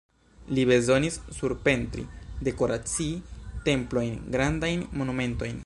Li bezonis surpentri, dekoracii templojn, grandajn monumentojn.